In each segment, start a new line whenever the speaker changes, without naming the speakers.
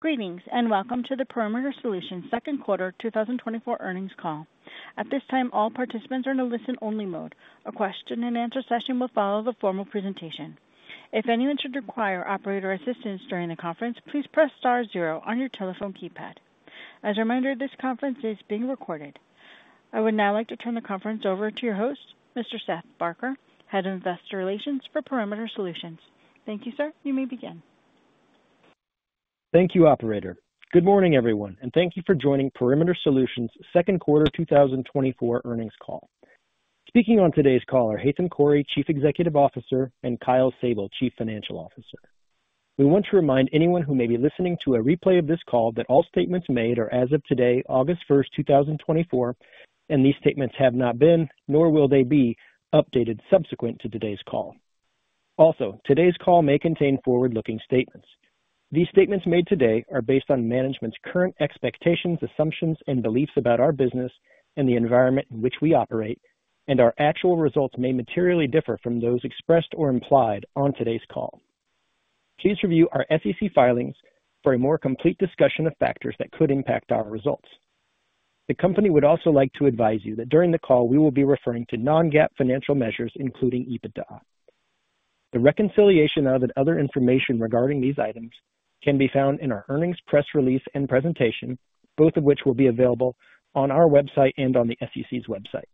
Greetings, and welcome to the Perimeter Solutions second quarter 2024 earnings call. At this time, all participants are in a listen-only mode. A question and answer session will follow the formal presentation. If anyone should require operator assistance during the conference, please press star zero on your telephone keypad. As a reminder, this conference is being recorded. I would now like to turn the conference over to your host, Mr. Seth Barker, Head of Investor Relations for Perimeter Solutions. Thank you, sir. You may begin.
Thank you, operator. Good morning, everyone, and thank you for joining Perimeter Solutions second quarter 2024 earnings call. Speaking on today's call are Haitham Khouri, Chief Executive Officer, and Kyle Sable, Chief Financial Officer. We want to remind anyone who may be listening to a replay of this call that all statements made are as of today, August 1st, 2024, and these statements have not been, nor will they be, updated subsequent to today's call. Also, today's call may contain forward-looking statements. These statements made today are based on management's current expectations, assumptions, and beliefs about our business and the environment in which we operate, and our actual results may materially differ from those expressed or implied on today's call. Please review our SEC filings for a more complete discussion of factors that could impact our results. The company would also like to advise you that during the call, we will be referring to non-GAAP financial measures, including EBITDA. The reconciliation of that other information regarding these items can be found in our earnings, press release, and presentation, both of which will be available on our website and on the SEC's website.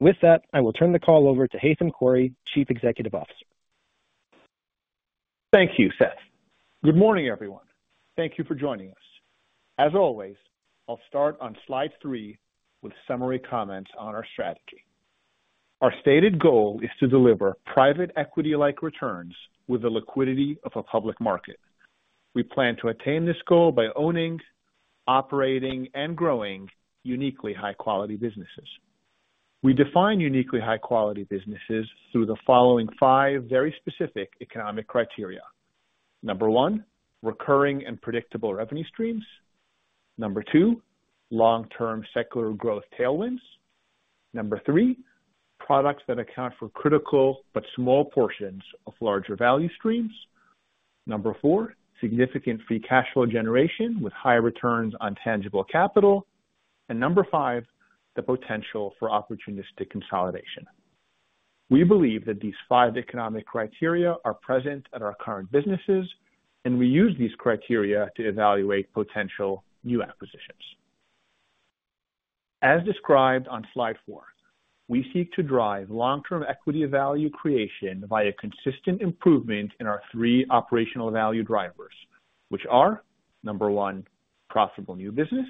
With that, I will turn the call over to Haitham Khouri, Chief Executive Officer.
Thank you, Seth. Good morning, everyone. Thank you for joining us. As always, I'll start on slide three with summary comments on our strategy. Our stated goal is to deliver private equity-like returns with the liquidity of a public market. We plan to attain this goal by owning, operating, and growing uniquely high-quality businesses. We define uniquely high-quality businesses through the following five very specific economic criteria. Number one, recurring and predictable revenue streams. Number two, long-term secular growth tailwinds. Number three, products that account for critical but small portions of larger value streams. Number four, significant free cash flow generation with high returns on tangible capital. And number five, the potential for opportunistic consolidation. We believe that these five economic criteria are present at our current businesses, and we use these criteria to evaluate potential new acquisitions. As described on slide four, we seek to drive long-term equity value creation via consistent improvement in our three operational value drivers, which are, number one, profitable new business,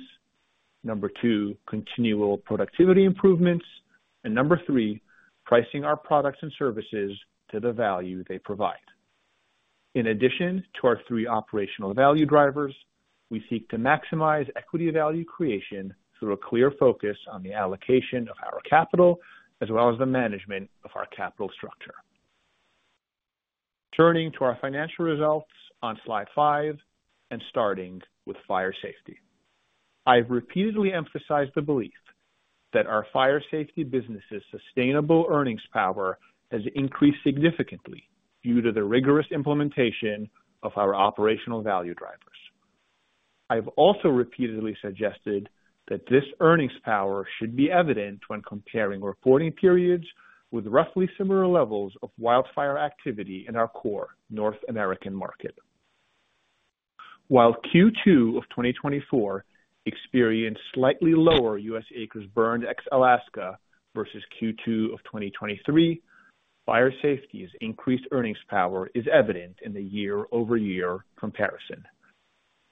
number two, continual productivity improvements, and number three, pricing our products and services to the value they provide. In addition to our three operational value drivers, we seek to maximize equity value creation through a clear focus on the allocation of our capital, as well as the management of our capital structure. Turning to our financial results on slide five and starting with fire safety. I've repeatedly emphasized the belief that our fire safety business's sustainable earnings power has increased significantly due to the rigorous implementation of our operational value drivers. I've also repeatedly suggested that this earnings power should be evident when comparing reporting periods with roughly similar levels of wildfire activity in our core North American market. While Q2 of 2024 experienced slightly lower U.S. acres burned ex-Alaska versus Q2 of 2023, fire safety's increased earnings power is evident in the year-over-year comparison.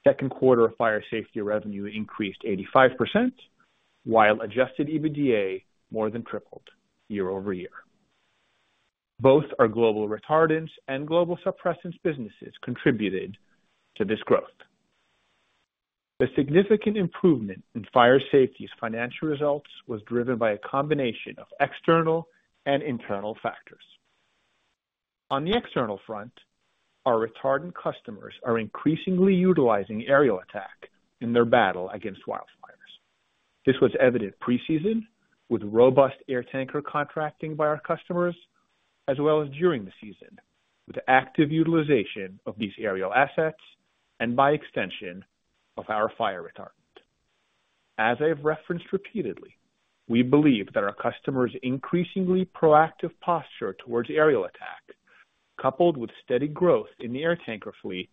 Second quarter fire safety revenue increased 85%, while adjusted EBITDA more than tripled year-over-year. Both our global retardants and global suppressants businesses contributed to this growth. The significant improvement in fire safety's financial results was driven by a combination of external and internal factors. On the external front, our retardant customers are increasingly utilizing aerial attack in their battle against wildfires. This was evident pre-season, with robust air tanker contracting by our customers, as well as during the season, with active utilization of these aerial assets and by extension, of our fire retardant. As I have referenced repeatedly, we believe that our customers' increasingly proactive posture towards aerial attack, coupled with steady growth in the air tanker fleet,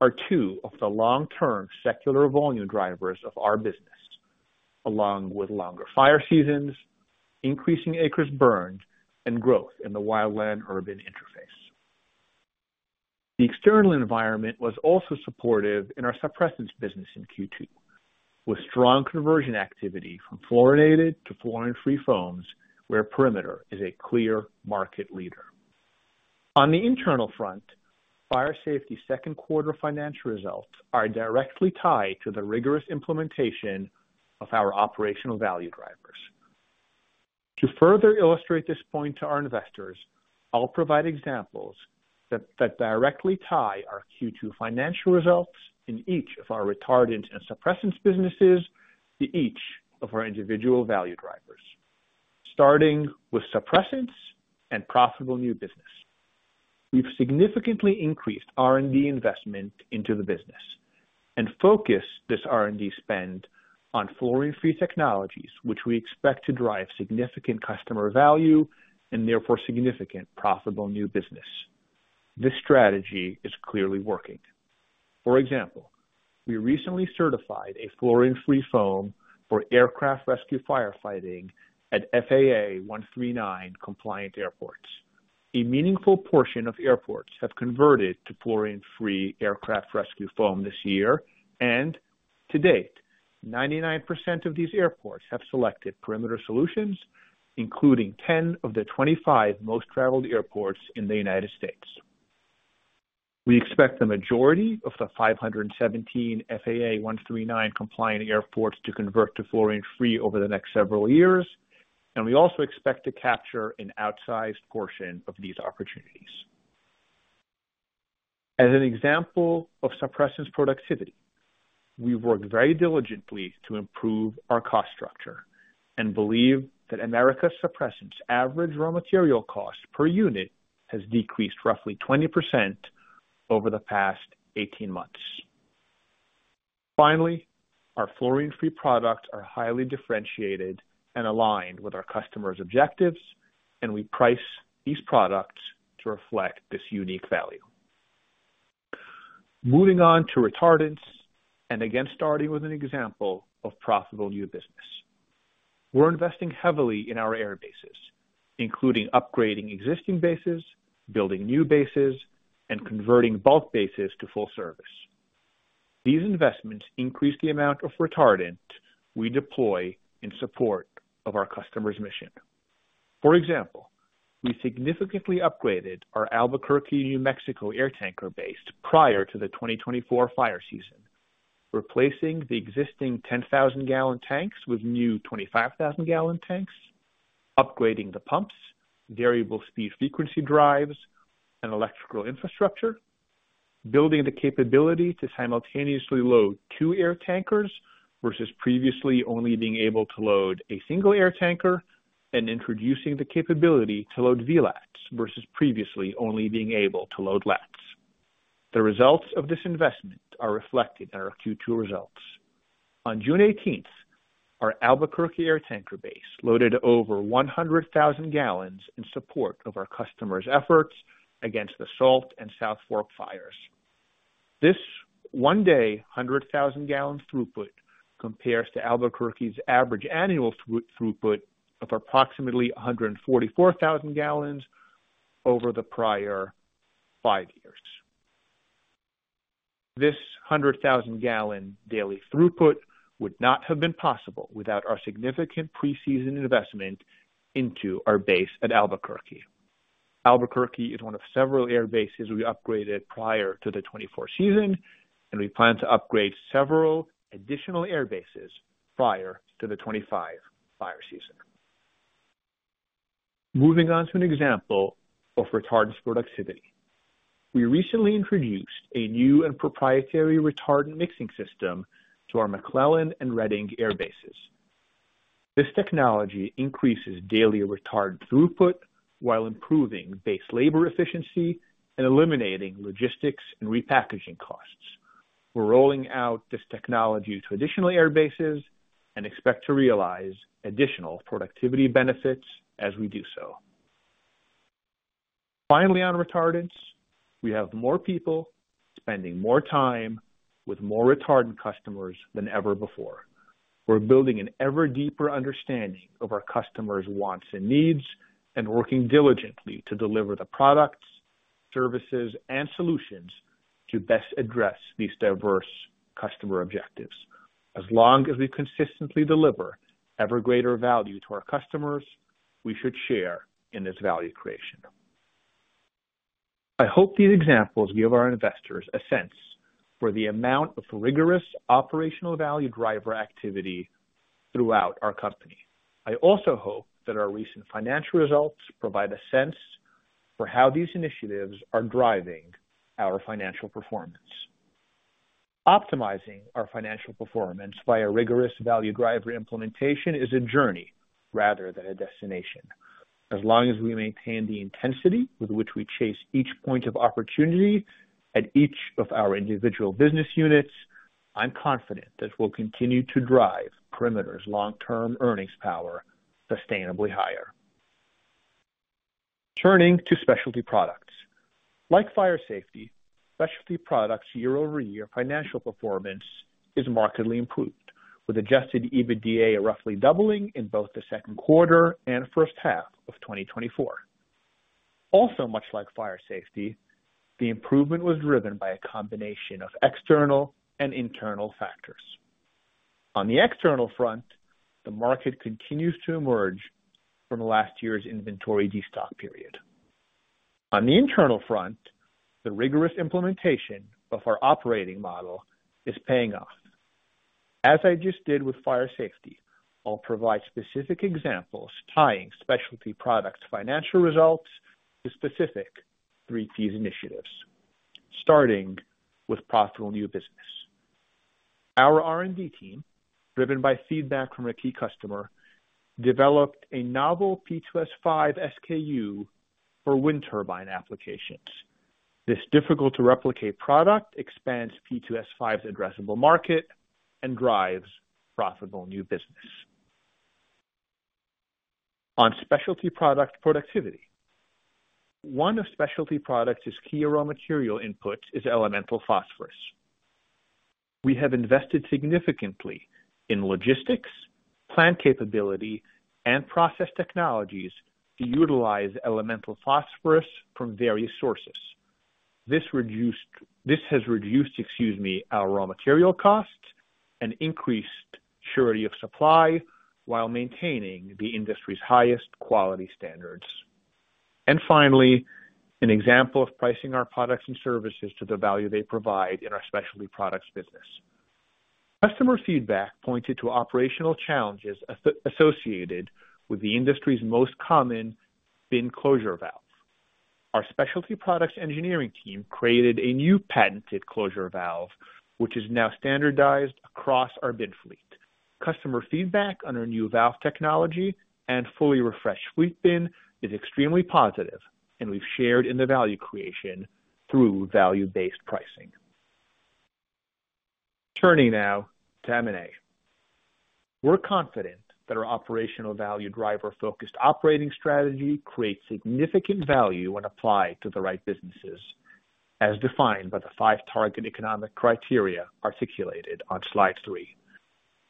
are two of the long-term secular volume drivers of our business, along with longer fire seasons, increasing acres burned, and growth in the wildland-urban interface. The external environment was also supportive in our suppressants business in Q2, with strong conversion activity from fluorinated to fluorine-free foams, where Perimeter is a clear market leader. On the internal front, fire safety second quarter financial results are directly tied to the rigorous implementation of our operational value drivers. To further illustrate this point to our investors, I'll provide examples that directly tie our Q2 financial results in each of our retardant and suppressants businesses to each of our individual value drivers. Starting with suppressants and profitable new business. We've significantly increased R&D investment into the business and focused this R&D spend on fluorine-free technologies, which we expect to drive significant customer value and therefore significant profitable new business. This strategy is clearly working. For example, we recently certified a fluorine-free foam for aircraft rescue firefighting at FAA Part 139 compliant airports. A meaningful portion of airports have converted to fluorine-free aircraft rescue foam this year, and to date, 99% of these airports have selected Perimeter Solutions, including 10 of the 25 most traveled airports in the United States. We expect the majority of the 517 FAA Part 139 compliant airports to convert to fluorine-free over the next several years, and we also expect to capture an outsized portion of these opportunities. As an example of suppressants productivity, we've worked very diligently to improve our cost structure and believe that America's suppressants average raw material cost per unit has decreased roughly 20% over the past 18 months. Finally, our fluorine-free products are highly differentiated and aligned with our customers' objectives, and we price these products to reflect this unique value. Moving on to retardants, and again, starting with an example of profitable new business. We're investing heavily in our air bases, including upgrading existing bases, building new bases, and converting bulk bases to full service. These investments increase the amount of retardant we deploy in support of our customers' mission. For example, we significantly upgraded our Albuquerque, New Mexico, air tanker base prior to the 2024 fire season, replacing the existing 10,000 gallon tanks with new 25,000 gallon tanks, upgrading the pumps, variable speed frequency drives and electrical infrastructure, building the capability to simultaneously load two air tankers versus previously only being able to load a single air tanker and introducing the capability to load VLATs versus previously only being able to load LATs. The results of this investment are reflected in our Q2 results. On June 18th, our Albuquerque air tanker base loaded over 100,000 gallons in support of our customers' efforts against the Salt Fire and South Fork Fire. This one day, 100,000 gallon throughput compares to Albuquerque's average annual throughput of approximately 144,000 gallons over the prior five years. This 100,000-gallon daily throughput would not have been possible without our significant preseason investment into our base at Albuquerque. Albuquerque is one of several air bases we upgraded prior to the 2024 season, and we plan to upgrade several additional air bases prior to the 2025 fire season. Moving on to an example of retardants productivity. We recently introduced a new and proprietary retardant mixing system to our McClellan and Redding air bases. This technology increases daily retardant throughput while improving base labor efficiency and eliminating logistics and repackaging costs. We're rolling out this technology to additional air bases and expect to realize additional productivity benefits as we do so. Finally, on retardants, we have more people spending more time with more retardant customers than ever before. We're building an ever deeper understanding of our customers' wants and needs, and working diligently to deliver the products, services, and solutions to best address these diverse customer objectives. As long as we consistently deliver ever greater value to our customers, we should share in this value creation. I hope these examples give our investors a sense for the amount of rigorous operational value driver activity throughout our company. I also hope that our recent financial results provide a sense for how these initiatives are driving our financial performance. Optimizing our financial performance by a rigorous value driver implementation is a journey rather than a destination. As long as we maintain the intensity with which we chase each point of opportunity at each of our individual business units, I'm confident that we'll continue to drive Perimeter's long-term earnings power sustainably higher. Turning to specialty products. Like fire safety, specialty products year-over-year financial performance is markedly improved, with adjusted EBITDA roughly doubling in both the second quarter and first half of 2024. Also, much like fire safety, the improvement was driven by a combination of external and internal factors. On the external front, the market continues to emerge from last year's inventory destock period. On the internal front, the rigorous implementation of our operating model is paying off. As I just did with fire safety, I'll provide specific examples tying specialty products financial results to specific three P's initiatives, starting with profitable new business. Our R&D team, driven by feedback from a key customer, developed a novel P2S5 SKU for wind turbine applications. This difficult to replicate product expands P2S5's addressable market and drives profitable new business. On specialty product productivity, one of specialty products' key raw material input is elemental phosphorus. We have invested significantly in logistics, plant capability, and process technologies to utilize elemental phosphorus from various sources. This has reduced, excuse me, our raw material costs and increased surety of supply, while maintaining the industry's highest quality standards. And finally, an example of pricing our products and services to the value they provide in our specialty products business. Customer feedback pointed to operational challenges associated with the industry's most common bin closure valve. Our specialty products engineering team created a new patented closure valve, which is now standardized across our bin fleet. Customer feedback on our new valve technology and fully refreshed fleet bin is extremely positive, and we've shared in the value creation through value-based pricing. Turning now to M&A. We're confident that our operational value driver-focused operating strategy creates significant value when applied to the right businesses, as defined by the five target economic criteria articulated on slide three.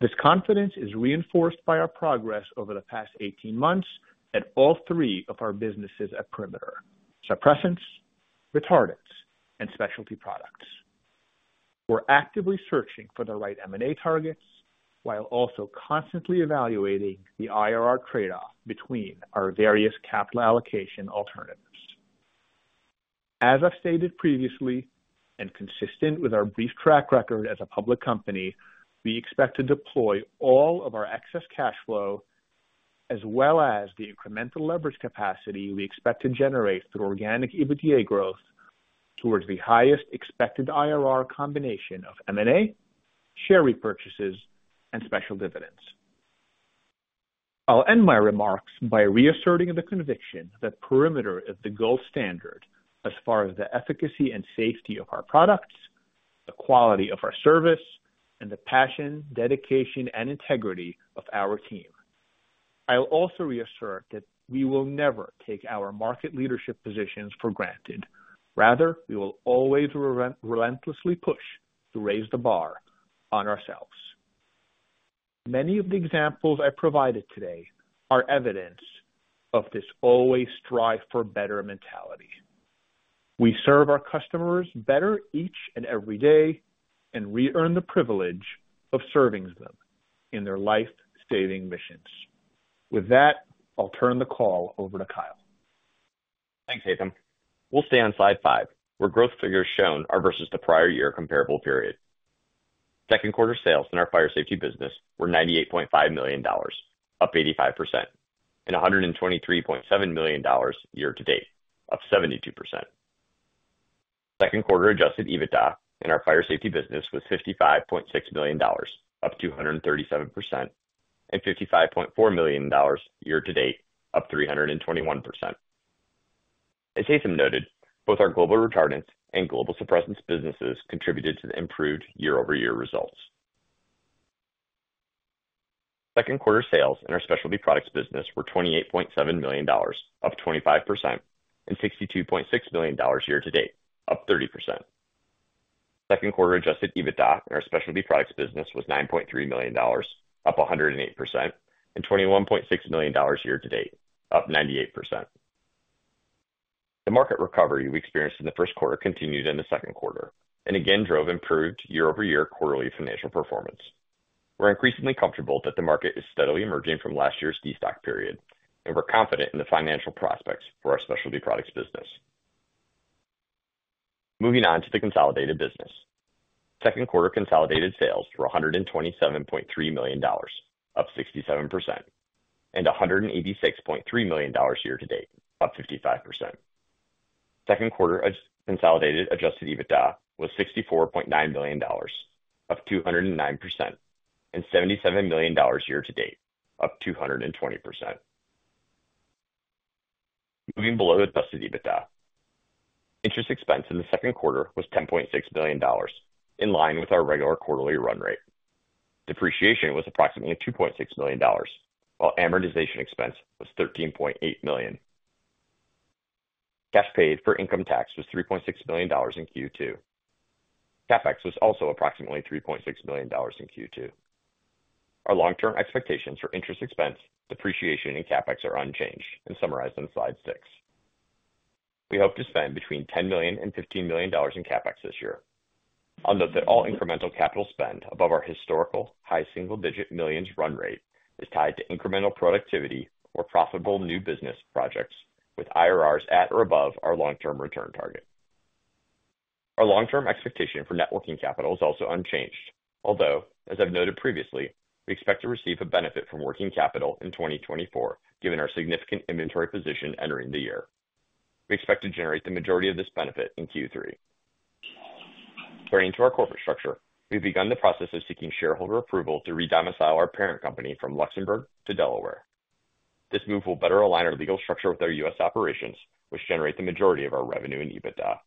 This confidence is reinforced by our progress over the past 18 months at all three of our businesses at Perimeter: suppressants, retardants, and specialty products. We're actively searching for the right M&A targets, while also constantly evaluating the IRR trade-off between our various capital allocation alternatives. As I've stated previously, and consistent with our brief track record as a public company, we expect to deploy all of our excess cash flow, as well as the incremental leverage capacity we expect to generate through organic EBITDA growth, towards the highest expected IRR combination of M&A, share repurchases, and special dividends. I'll end my remarks by reasserting the conviction that Perimeter is the gold standard as far as the efficacy and safety of our products, the quality of our service, and the passion, dedication, and integrity of our team. I'll also reassert that we will never take our market leadership positions for granted. Rather, we will always relentlessly push to raise the bar on ourselves. Many of the examples I provided today are evidence of this always strive for better mentality. We serve our customers better each and every day, and we earn the privilege of serving them in their life-saving missions. With that, I'll turn the call over to Kyle.
Thanks, Haitham. We'll stay on slide five, where growth figures shown are versus the prior year comparable period. Second quarter sales in our fire safety business were $98.5 million, up 85%, and $123.7 million year-to-date, up 72%. Second quarter adjusted EBITDA in our fire safety business was $55.6 million, up 237%, and $55.4 million year-to-date, up 321%. As Haitham noted, both our global retardants and global suppressants businesses contributed to the improved year-over-year results. Second quarter sales in our specialty products business were $28.7 million, up 25%, and $62.6 million year-to-date, up 30%. Second quarter adjusted EBITDA in our specialty products business was $9.3 million, up 108%, and $21.6 million year-to-date, up 98%. The market recovery we experienced in the first quarter continued in the second quarter and again drove improved year-over-year quarterly financial performance. We're increasingly comfortable that the market is steadily emerging from last year's destock period, and we're confident in the financial prospects for our specialty products business. Moving on to the consolidated business. Second quarter consolidated sales were $127.3 million, up 67%, and $186.3 million year-to-date, up 55%. Second quarter consolidated adjusted EBITDA was $64.9 million, up 209%, and $77 million year-to-date, up 220%. Moving below the adjusted EBITDA. Interest expense in the second quarter was $10.6 million, in line with our regular quarterly run rate. Depreciation was approximately $2.6 million, while amortization expense was $13.8 million. Cash paid for income tax was $3.6 million in Q2. CapEx was also approximately $3.6 million in Q2. Our long-term expectations for interest expense, depreciation, and CapEx are unchanged and summarized on slide six. We hope to spend between $10 million and $15 million in CapEx this year. I'll note that all incremental capital spend above our historical high single-digit millions run rate is tied to incremental productivity or profitable new business projects with IRRs at or above our long-term return target. Our long-term expectation for net working capital is also unchanged, although, as I've noted previously, we expect to receive a benefit from working capital in 2024, given our significant inventory position entering the year. We expect to generate the majority of this benefit in Q3. Turning to our corporate structure, we've begun the process of seeking shareholder approval to redomicile our parent company from Luxembourg to Delaware. This move will better align our legal structure with our U.S. operations, which generate the majority of our revenue and EBITDA.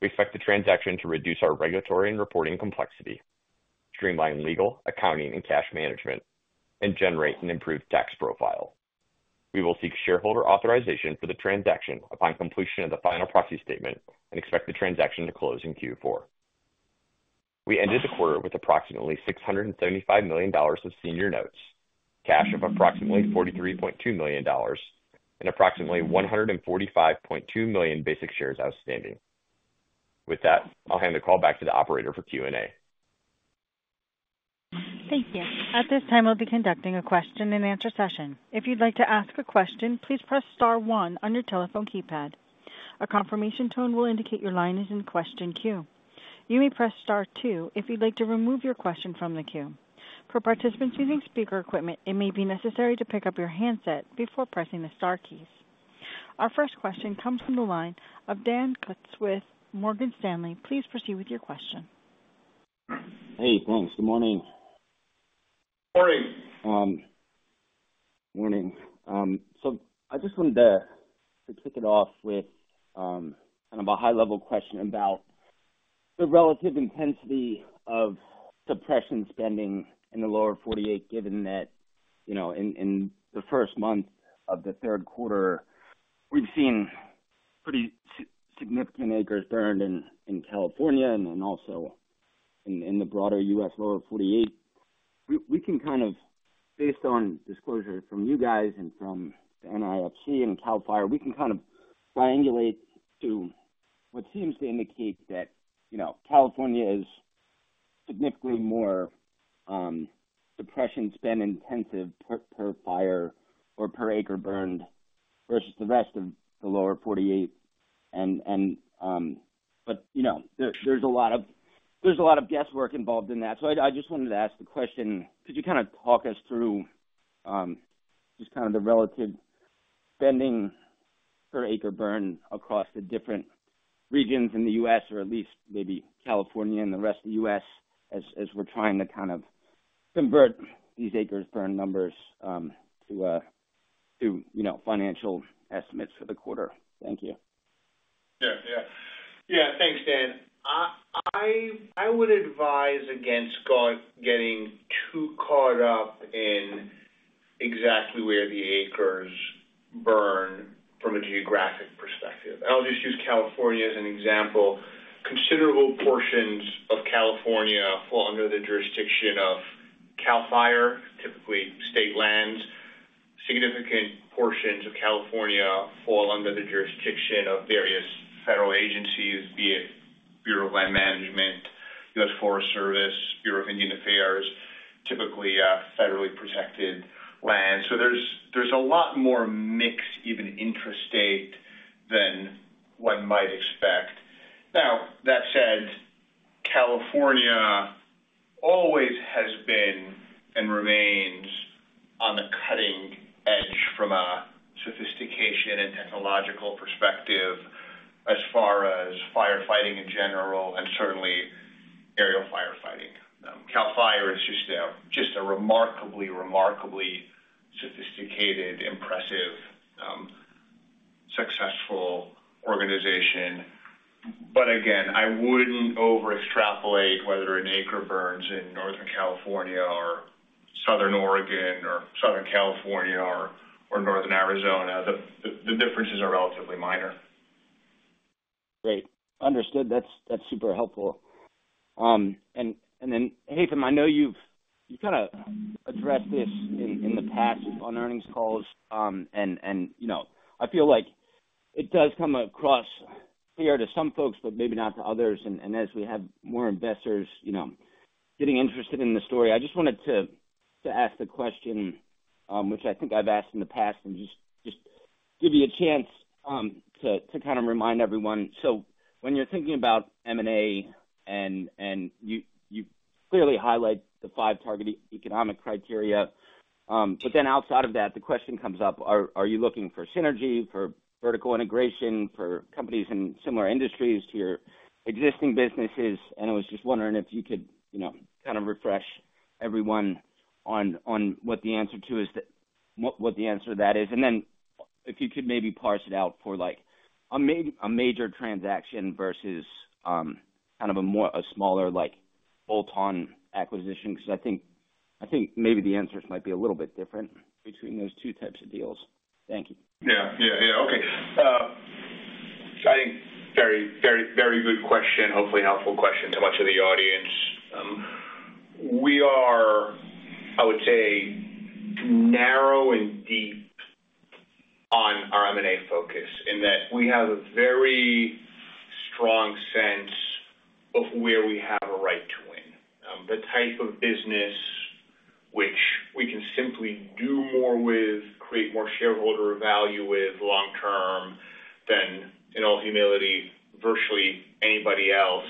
We expect the transaction to reduce our regulatory and reporting complexity, streamline legal, accounting, and cash management, and generate an improved tax profile. We will seek shareholder authorization for the transaction upon completion of the final proxy statement and expect the transaction to close in Q4. We ended the quarter with approximately $675 million of senior notes, cash of approximately $43.2 million, and approximately 145.2 million basic shares outstanding. With that, I'll hand the call back to the operator for Q&A.
Thank you. At this time, we'll be conducting a question-and-answer session. If you'd like to ask a question, please press star one on your telephone keypad. A confirmation tone will indicate your line is in question queue. You may press star two if you'd like to remove your question from the queue. For participants using speaker equipment, it may be necessary to pick up your handset before pressing the star keys. Our first question comes from the line of Daniel Kutz, Morgan Stanley. Please proceed with your question.
Hey, thanks. Good morning.
Morning.
Morning. So I just wanted to kick it off with kind of a high-level question about the relative intensity of suppression spending in the Lower 48, given that, you know, in the first month of the third quarter, we've seen pretty significant acres burned in California and then also in the broader U.S. Lower 48. We can kind of, based on disclosure from you guys and from the NIFC and CAL FIRE, we can kind of triangulate to what seems to indicate that, you know, California is significantly more suppression spend intensive per fire or per acre burned versus the rest of the Lower 48. But, you know, there, there's a lot of guesswork involved in that. So I'd... I just wanted to ask the question: Could you kind of talk us through, just kind of the relative spending per acre burn across the different regions in the U.S., or at least maybe California and the rest of the U.S., as we're trying to kind of convert these acres burn numbers, to, you know, financial estimates for the quarter? Thank you.
Yeah. Yeah. Yeah. Thanks, Dan. I would advise against getting too caught up in exactly where the acres burn from a geographic perspective. I'll just use California as an example. Considerable portions of California fall under the jurisdiction of Cal Fire, typically state lands. Significant portions of California fall under the jurisdiction of various federal agencies, be it Bureau of Land Management, U.S. Forest Service, Bureau of Indian Affairs, typically, federally protected land. So there's a lot more mix, even intrastate, than one might expect. Now, that said, California always has been, and remains, on the cutting edge from a sophistication and technological perspective as far as firefighting in general and certainly aerial firefighting. Cal Fire is just a, just a remarkably, remarkably sophisticated, impressive, successful organization. But again, I wouldn't overextrapolate whether an acre burns in Northern California or Southern Oregon or Southern California or northern Arizona. The differences are relatively minor.
Great. Understood. That's, that's super helpful. And then, Haitham, I know you've, you've kinda addressed this in, in the past on earnings calls. And, you know, I feel like it does come across clear to some folks, but maybe not to others. And as we have more investors, you know, getting interested in the story, I just wanted to ask the question, which I think I've asked in the past, and just give you a chance to kind of remind everyone. So when you're thinking about M&A and you clearly highlight the five target economic criteria, but then outside of that, the question comes up: Are you looking for synergy, for vertical integration, for companies in similar industries to your existing businesses? I was just wondering if you could, you know, kind of refresh everyone on what the answer to that is. And then if you could maybe parse it out for, like, a major transaction versus kind of a smaller, like, bolt-on acquisition, because I think maybe the answers might be a little bit different between those two types of deals. Thank you.
Yeah. Yeah, yeah. Okay. I think very, very, very good question. Hopefully helpful question to much of the audience. We are, I would say, narrow and deep on our M&A focus in that we have a very strong sense of where we have a right to win. The type of business which we can simply do more with, create more shareholder value with long term than, in all humility, virtually anybody else...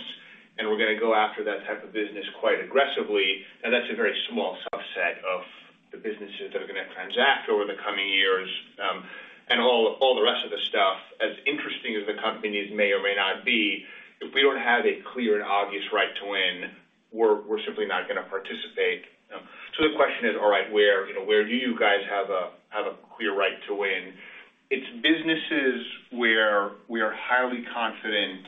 and we're gonna go after that type of business quite aggressively, and that's a very small subset of the businesses that are gonna transact over the coming years. And all, all the rest of the stuff, as interesting as the companies may or may not be, if we don't have a clear and obvious right to win, we're, we're simply not gonna participate. So the question is: All right, where, you know, where do you guys have a clear right to win? It's businesses where we are highly confident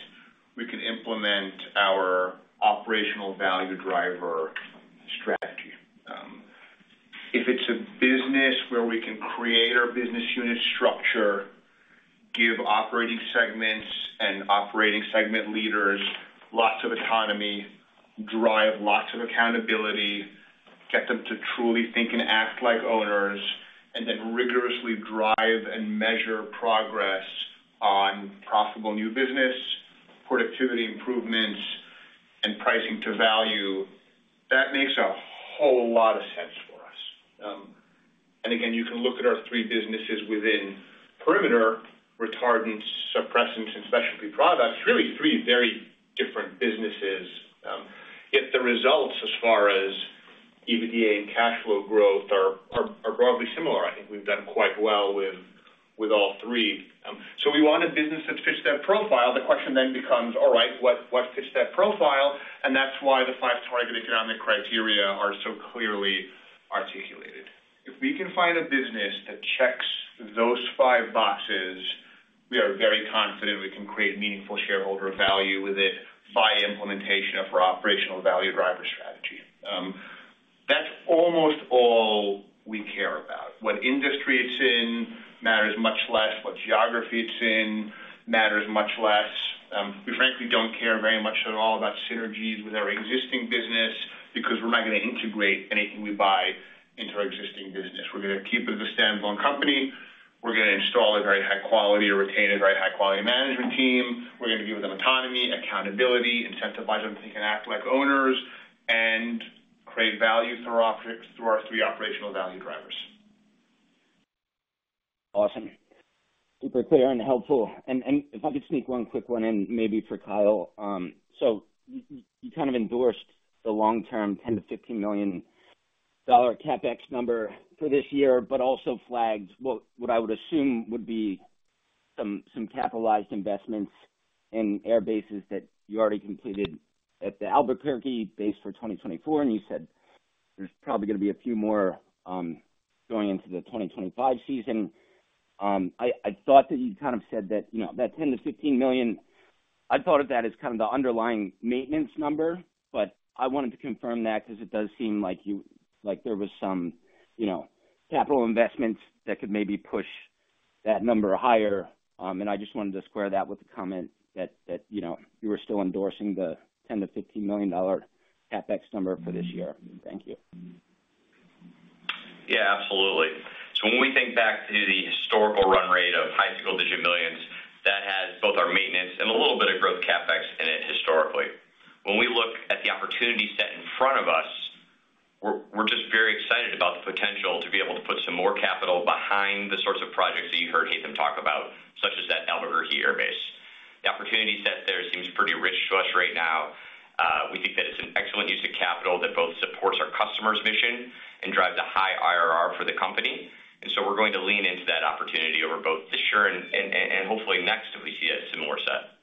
we can implement our operational value driver strategy. If it's a business where we can create our business unit structure, give operating segments and operating segment leaders lots of autonomy, drive lots of accountability, get them to truly think and act like owners, and then rigorously drive and measure progress on profitable new business, productivity improvements, and pricing to value, that makes a whole lot of sense for us. Again, you can look at our three businesses within Perimeter, retardants, suppressants, and specialty products, really three very different businesses. Yet the results as far as EBITDA and cash flow growth are broadly similar. I think we've done quite well with all three. So we want a business that fits that profile. The question then becomes: All right, what, what fits that profile? And that's why the five target economic criteria are so clearly articulated. If we can find a business that checks those five boxes, we are very confident we can create meaningful shareholder value with it by implementation of our operational value driver strategy. That's almost all we care about. What industry it's in matters much less. What geography it's in matters much less. We frankly don't care very much at all about synergies with our existing business because we're not gonna integrate anything we buy into our existing business. We're gonna keep it as a standalone company. We're gonna install a very high quality or retain a very high quality management team. We're gonna give them autonomy, accountability, incentivize them to think and act like owners, and create value through our three Operational Value Drivers.
Awesome. Super clear and helpful. And if I could sneak one quick one in, maybe for Kyle. So you kind of endorsed the long-term $10 million-$15 million CapEx number for this year, but also flagged what I would assume would be some capitalized investments in air bases that you already completed at the Albuquerque base for 2024, and you said there's probably gonna be a few more going into the 2025 season. I thought that you kind of said that, you know, that $10 million-$15 million, I thought of that as kind of the underlying maintenance number, but I wanted to confirm that because it does seem like you—like there was some, you know, capital investments that could maybe push that number higher. And I just wanted to square that with the comment that you know, you were still endorsing the $10 million-$15 million CapEx number for this year. Thank you.
Yeah, absolutely. So when we think back to the historical run rate of high single-digit millions, that has both our maintenance and a little bit of growth CapEx in it historically. When we look at the opportunity set in front of us, we're just very excited about the potential to be able to put some more capital behind the sorts of projects that you heard Haitham talk about, such as that Albuquerque air base. The opportunity set there seems pretty rich to us right now. We think that it's an excellent use of capital that both supports our customer's mission and drives a high IRR for the company. And so we're going to lean into that opportunity over both this year and hopefully next, if we see a similar set.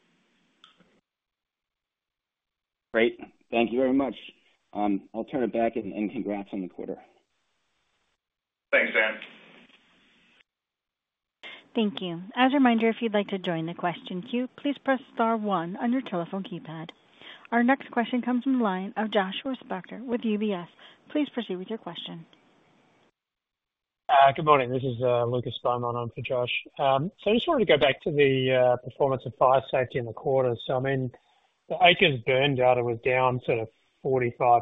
Great. Thank you very much. I'll turn it back, and congrats on the quarter.
Thanks, Dan.
Thank you. As a reminder, if you'd like to join the question queue, please press star one on your telephone keypad. Our next question comes from the line of Joshua Spector with UBS. Please proceed with your question.
Good morning. This is Lucas Spielman on for Josh. So I just wanted to go back to the performance of fire safety in the quarter. So, I mean, the acres burned data was down to 45%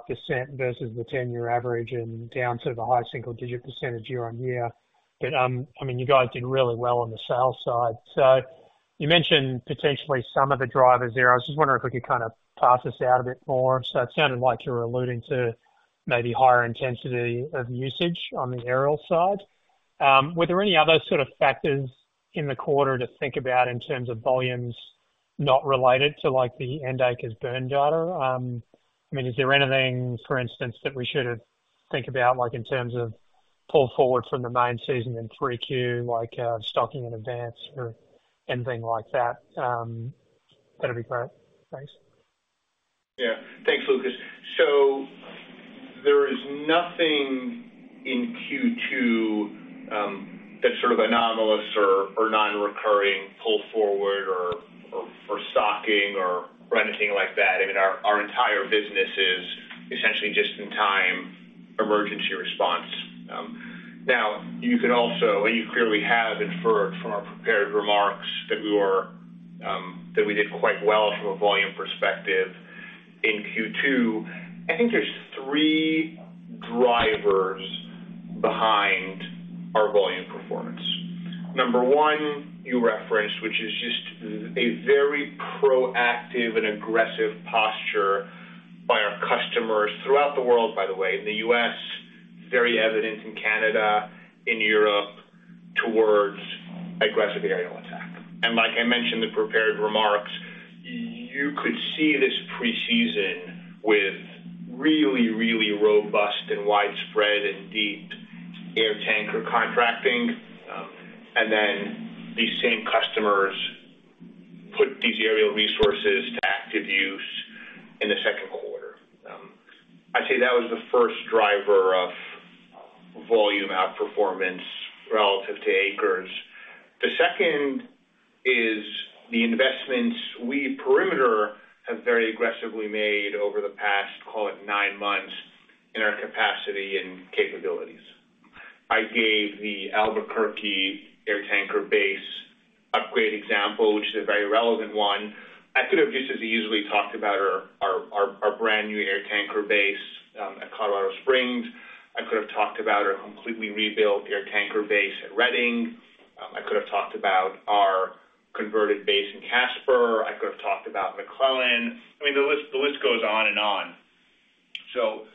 versus the 10-year average and down to the high single-digit percentage year-on-year. But, I mean, you guys did really well on the sales side. So you mentioned potentially some of the drivers there. I was just wondering if we could kind of parse this out a bit more. So it sounded like you were alluding to maybe higher intensity of usage on the aerial side. Were there any other sort of factors in the quarter to think about in terms of volumes not related to, like, the end acres burned data? I mean, is there anything, for instance, that we should think about, like, in terms of pull forward from the main season in 3Q, like, stocking in advance or anything like that? That'd be great. Thanks.
Yeah. Thanks, Lucas. So there is nothing in Q2 that's sort of anomalous or non-recurring pull forward or for stocking or anything like that. I mean, our entire business is essentially just-in-time emergency response. Now, you can also, and you clearly have inferred from our prepared remarks that we were that we did quite well from a volume perspective in Q2. I think there's three drivers behind our volume performance. Number one, you referenced, which is just a very proactive and aggressive posture by our customers throughout the world, by the way, in the U.S., very evident in Canada, in Europe... towards aggressive aerial attack. Like I mentioned in the prepared remarks, you could see this preseason with really, really robust and widespread and deep airtanker contracting, and then these same customers put these aerial resources to active use in the second quarter. I'd say that was the first driver of volume outperformance relative to acres. The second is the investments we, Perimeter, have very aggressively made over the past, call it nine months, in our capacity and capabilities. I gave the Albuquerque airtanker base upgrade example, which is a very relevant one. I could have just as easily talked about our brand new airtanker base at Colorado Springs. I could have talked about our completely rebuilt airtanker base at Redding. I could have talked about our converted base in Casper. I could have talked about McClellan. I mean, the list goes on and on. So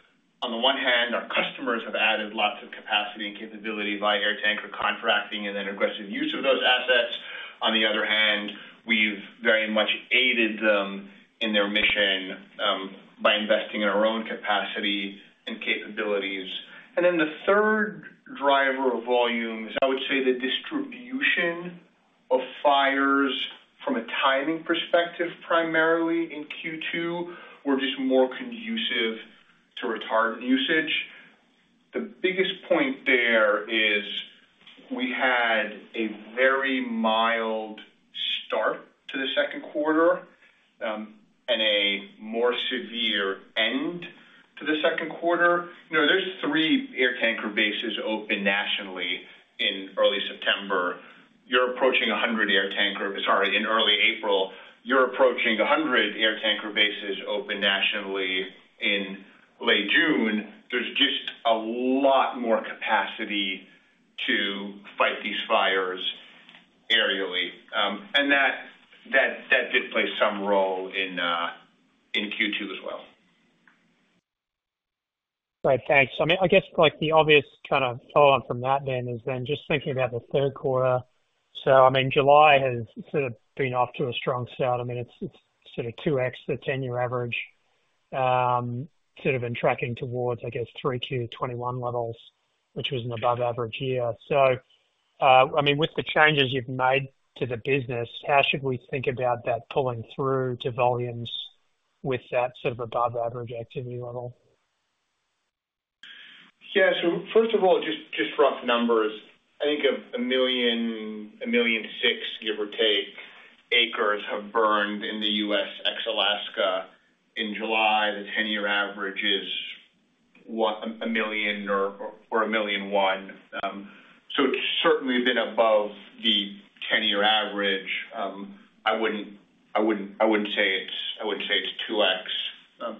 on the one hand, our customers have added lots of capacity and capability by air tanker contracting and then aggressive use of those assets. On the other hand, we've very much aided them in their mission by investing in our own capacity and capabilities. And then the third driver of volumes, I would say, the distribution of fires from a timing perspective, primarily in Q2, were just more conducive to retardant usage. The biggest point there is we had a very mild start to the second quarter and a more severe end to the second quarter. You know, there's three air tanker bases open nationally in early September. You're approaching 100 air tanker—sorry, in early April, you're approaching 100 air tanker bases open nationally in late June. There's just a lot more capacity to fight these fires aerially. That did play some role in Q2 as well.
Great, thanks. I mean, I guess, like the obvious kind of follow on from that then is then just thinking about the third quarter. So, I mean, July has sort of been off to a strong start. I mean, it's, it's sort of 2x the 10-year average, sort of been tracking towards, I guess, 3Q 2021 levels, which was an above average year. So, I mean, with the changes you've made to the business, how should we think about that pulling through to volumes with that sort of above average activity level?
Yeah. So first of all, just rough numbers. I think 1 million to 1.6 million, give or take, acres have burned in the U.S., ex Alaska in July. The 10-year average is 1 million or 1.1 million. So it's certainly been above the 10-year average. I wouldn't say it's 2x.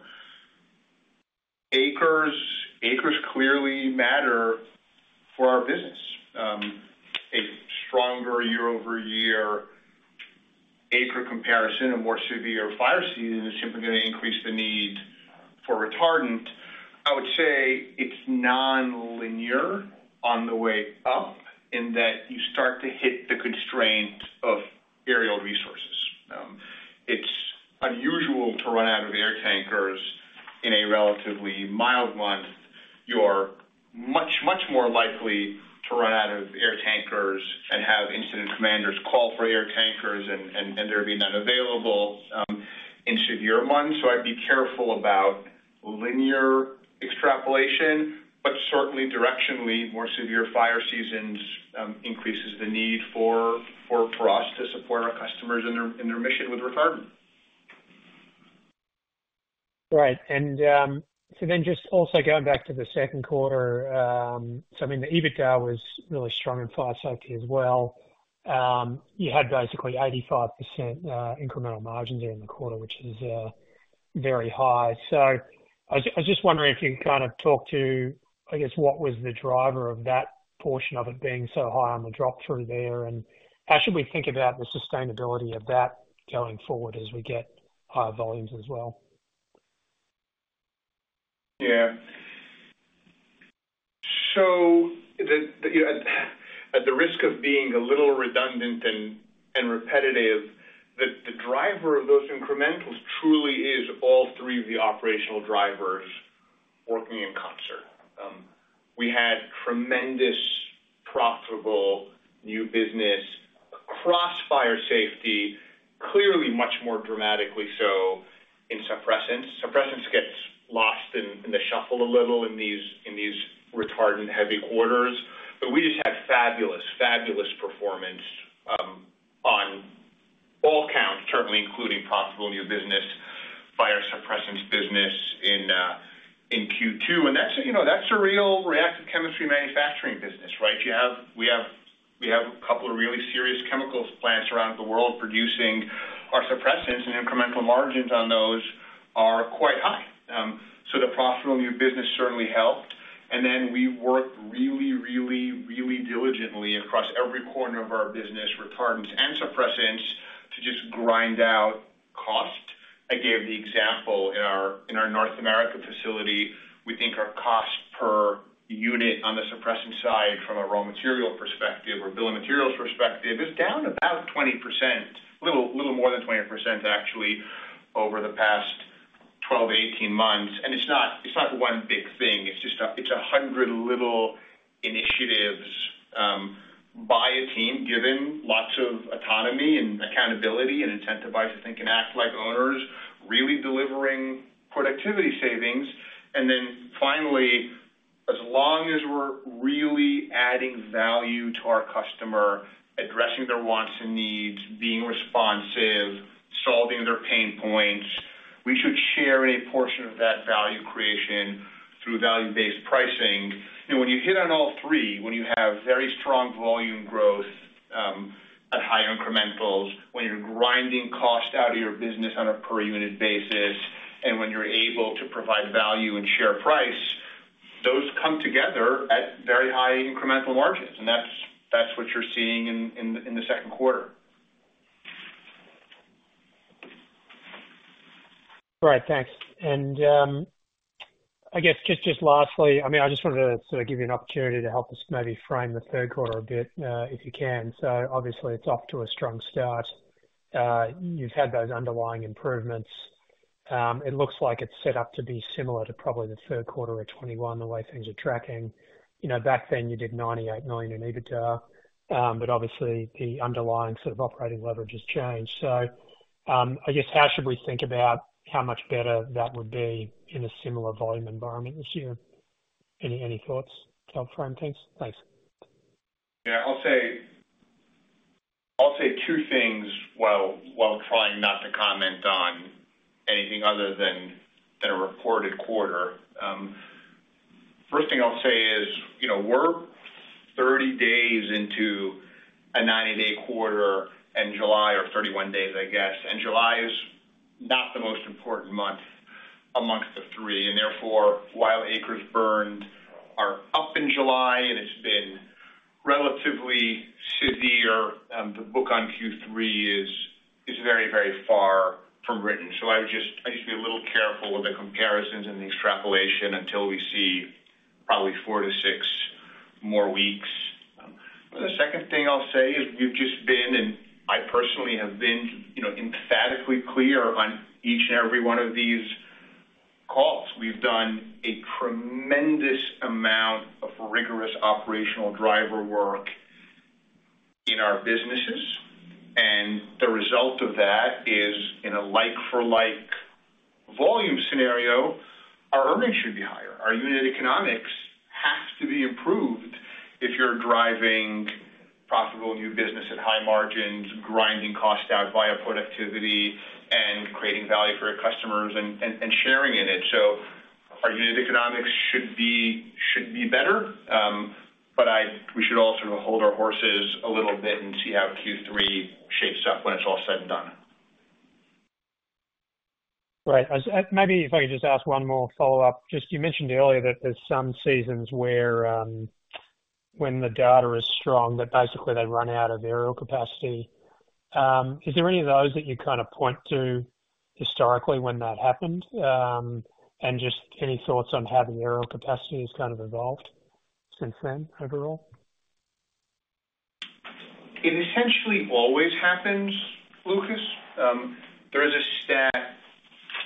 Acres clearly matter for our business. A stronger year-over-year acre comparison and more severe fire season is simply going to increase the need for retardant. I would say it's nonlinear on the way up in that you start to hit the constraints of aerial resources. It's unusual to run out of air tankers in a relatively mild month. You're much, much more likely to run out of air tankers and have incident commanders call for air tankers and there be none available in severe months. So I'd be careful about linear extrapolation, but certainly directionally, more severe fire seasons increases the need for us to support our customers in their mission with retardant.
Right. And, so then just also going back to the second quarter, so I mean, the EBITDA was really strong in Fire Safety as well. You had basically 85%, incremental margins there in the quarter, which is very high. So I was just wondering if you kind of talk to, I guess, what was the driver of that portion of it being so high on the drop through there, and how should we think about the sustainability of that going forward as we get higher volumes as well?
Yeah. So at the risk of being a little redundant and repetitive, the driver of those incrementals truly is all three of the operational drivers working in concert. We had tremendous profitable new business across Fire Safety, clearly much more dramatically so in suppressants. Suppressants gets lost in the shuffle a little in these retardant-heavy quarters. But we just had fabulous, fabulous performance on all counts, certainly including profitable new business, fire suppressants business in Q2. And that's, you know, that's a real reactive chemistry manufacturing business, right? We have a couple of really serious chemicals plants around the world producing our suppressants, and incremental margins on those are quite high. So the profitable new business certainly helped. And then we worked really, really, really diligently across every corner of our business, retardants and suppressants, to just grind out cost. I gave the example in our, in our North America facility, we think our cost per unit on the suppressant side from a raw material perspective or bill of materials perspective, is down about 20%. A little more than 20% actually, over the past 12-18 months. And it's not, it's not one big thing, it's just 100 little initiatives by a team, given lots of autonomy and accountability and intent to buy, to think, and act like owners, really delivering productivity savings. And then finally, as long as we're really adding value to our customer, addressing their wants and needs, being responsive, solving their pain points, we should share a portion of that value creation through value-based pricing. When you hit on all three, when you have very strong volume growth at high incrementals, when you're grinding cost out of your business on a per unit basis, and when you're able to provide value and share price, those come together at very high incremental margins, and that's what you're seeing in the second quarter.
Great, thanks. And, I guess, just, just lastly, I mean, I just wanted to sort of give you an opportunity to help us maybe frame the third quarter a bit, if you can. So obviously it's off to a strong start. You've had those underlying improvements. It looks like it's set up to be similar to probably the third quarter of 2021, the way things are tracking. You know, back then, you did $98 million in EBITDA, but obviously the underlying sort of operating leverage has changed. So, I guess, how should we think about how much better that would be in a similar volume environment this year? Any, any thoughts to help frame things? Thanks.
Yeah, I'll say, I'll say two things, while, while trying not to comment on anything other than, than a reported quarter. First thing I'll say is, you know, we're 30 days into a 90-day quarter in July, or 31 days, I guess. And July is not the most important month amongst the three, and therefore, while acres burned are up in July, and it's been relatively severe, the book on Q3 is, is very, very far from written. So I would just- I'd just be a little careful with the comparisons and the extrapolation until we see probably four to six more weeks. The second thing I'll say is, we've just been, and I personally have been, you know, emphatically clear on each and every one of these calls. We've done a tremendous amount of rigorous operational driver work in our businesses, and the result of that is in a like-for-like volume scenario, our earnings should be higher. Our unit economics has to be improved if you're driving profitable new business at high margins, grinding costs down via productivity, and creating value for your customers and sharing in it. So our unit economics should be, should be better. But we should all sort of hold our horses a little bit and see how Q3 shapes up when it's all said and done.
Right. Maybe if I could just ask one more follow-up. Just you mentioned earlier that there's some seasons where, when the data is strong, that basically they run out of aerial capacity. Is there any of those that you kind of point to historically when that happened? And just any thoughts on how the aerial capacity has kind of evolved since then, overall?
It essentially always happens, Lucas. There is a stat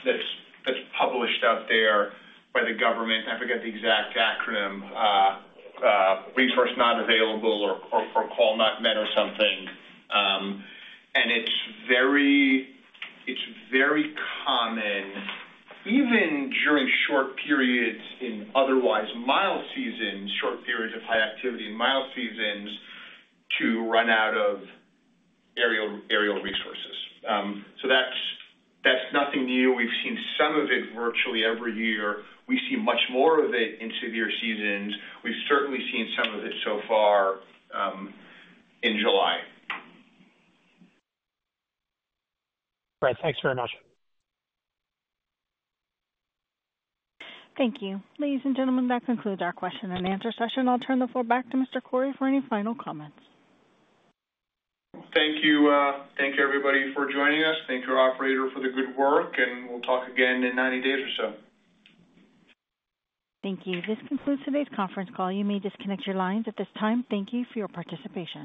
that's published out there by the government. I forget the exact acronym, resource not available or call not met or something. And it's very common, even during short periods in otherwise mild seasons, short periods of high activity in mild seasons, to run out of aerial resources. So that's nothing new. We've seen some of it virtually every year. We see much more of it in severe seasons. We've certainly seen some of it so far in July.
Great. Thanks very much.
Thank you. Ladies and gentlemen, that concludes our question and answer session. I'll turn the floor back to Mr. Khouri for any final comments.
Thank you. Thank you, everybody, for joining us. Thank you, operator, for the good work, and we'll talk again in 90 days or so.
Thank you. This concludes today's conference call. You may disconnect your lines at this time. Thank you for your participation.